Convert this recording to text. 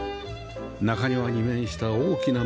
中庭に面した大きな窓